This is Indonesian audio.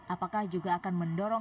apakah juga akan mendorong